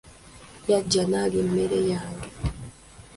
Yajja n'alya emmere yange.